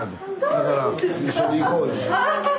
だから一緒に行こう言うて。